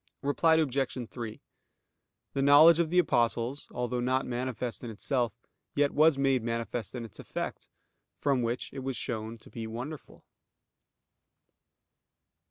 Reply Obj. 3: The knowledge of the Apostles, although not manifest in itself, yet was made manifest in its effect, from which it was shown to be wonderful.